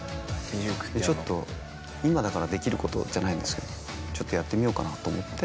ちょっと今だからできることじゃないですけどちょっとやってみようかなと思って。